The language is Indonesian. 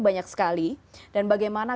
banyak sekali dan bagaimana